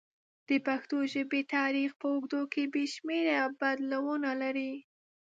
د پښتو ژبې تاریخ په اوږدو کې بې شمېره بدلونونه لري.